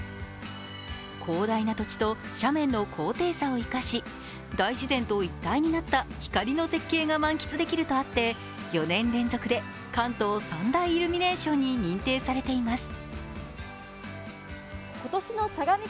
広大な土地と斜面の高低差を生かし、大自然と一体となった光の絶景が満喫できるとあって４年連続で関東３大イルミネーションに認定されています。